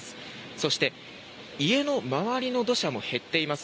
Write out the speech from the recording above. そして、家の周りの土砂も減っています。